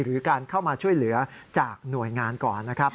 หรือการเข้ามาช่วยเหลือจากหน่วยงานก่อนนะครับ